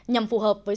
nhằm phù hợp với